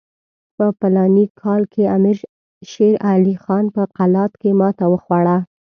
په فلاني کال کې امیر شېر علي خان په قلات کې ماته وخوړه.